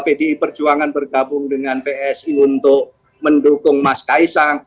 pdi perjuangan bergabung dengan psi untuk mendukung mas kaisang